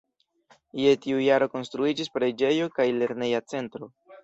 Je tiu jaro konstruiĝis preĝejo kaj lerneja centro.